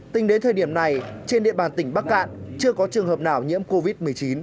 tính đến thời điểm này trên địa bàn tỉnh bắc cạn chưa có trường hợp nào nhiễm covid một mươi chín